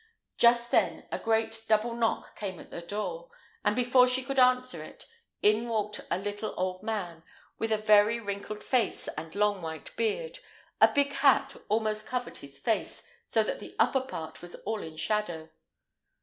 Just then, a great double knock came at the door, and, before she could answer it, in walked a little old man, with a very wrinkled face and long white beard; a big hat almost covered his face, so that the upper part was all in shadow.